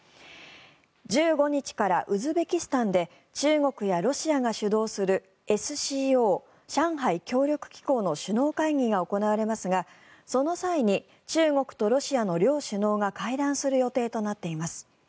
１５日からウズベキスタンで中国やロシアが主導するＳＣＯ・上海協力機構の首脳会議が行われますがその際に中国とロシアの両首脳が会談する予定となっています。